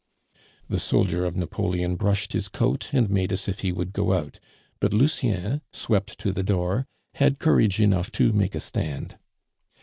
The soldier of Napoleon brushed his coat, and made as if he would go out, but Lucien, swept to the door, had courage enough to make a stand.